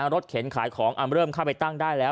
เข็นขายของเริ่มเข้าไปตั้งได้แล้ว